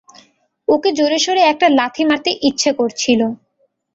ওকে জোরেশোরে একটা লাথি মারতে ইচ্ছে করছিল।